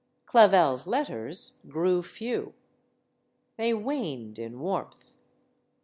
Clavel's letters grew few. They waned in warmth.